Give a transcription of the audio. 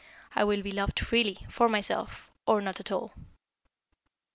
I will be loved freely, for myself, or not at all."